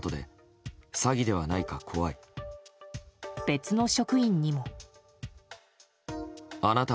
別の職員にも。